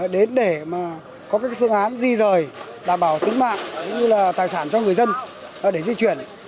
đến để mà có các phương án di rời đảm bảo tính mạng tài sản cho người dân để di chuyển